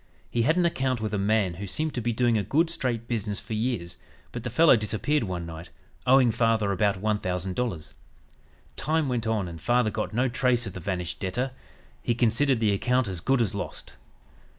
He had an account with a man who seemed to be doing a good, straight business for years, but the fellow disappeared one night, owing father about $1000. Time went on and father got no trace of the vanished debtor. He considered the account as good as lost.